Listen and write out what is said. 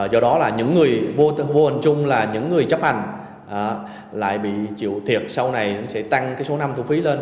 do đó là những người vô hình chung là những người chấp hành lại bị chịu thiệt sau này sẽ tăng số năm thu phí lên